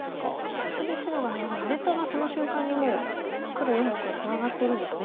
ここで白が出たらその瞬間にもう黒４目はツナがってるんですね。